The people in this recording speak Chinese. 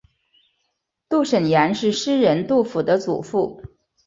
杜审言是诗人杜甫的祖父。